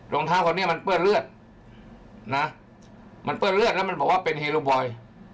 รองเท้าคนนี้มันเปื้อนเลือดนะมันเปื้อนเลือดแล้วมันบอกว่าเป็นเฮโลบอย